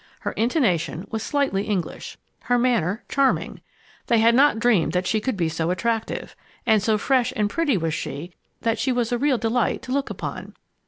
Her intonation was slightly English, her manner charming. They had not dreamed that she could be so attractive. And so fresh and pretty was she that she was a real delight to look upon.